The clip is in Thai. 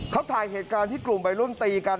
เขาถ่ายเหตุการณ์ที่กลุ่มวัยรุ่นตีกัน